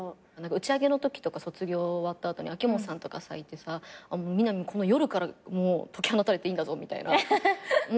打ち上げのときとか卒業終わった後に秋元さんとかいてさ「みなみこの夜からもう解き放たれていいんだぞ」みたいな。